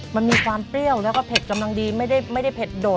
มันมีความเปรี้ยวแล้วก็เผ็ดกำลังดีไม่ได้เผ็ดโดด